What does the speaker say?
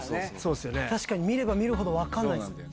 確かに見れば見るほど分かんないんすよ。